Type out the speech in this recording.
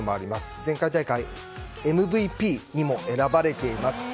前回大会はＭＶＰにも選ばれています。